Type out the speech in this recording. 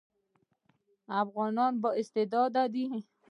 افغانان با استعداده دي